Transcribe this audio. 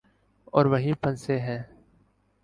اور وہیں پھنسے ہیں۔